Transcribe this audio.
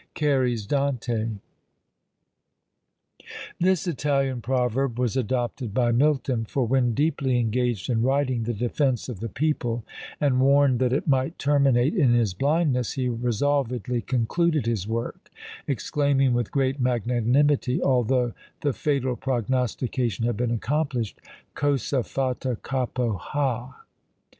CARY'S Dante. This Italian proverb was adopted by Milton; for when deeply engaged in writing "The Defence of the People," and warned that it might terminate in his blindness, he resolvedly concluded his work, exclaiming with great magnanimity, although the fatal prognostication had been accomplished, _cosa fatta capo ha!